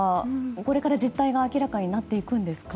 これから実態が明らかになっていくんですか？